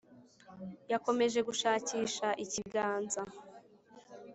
yakomeje gushakisha ikiganza,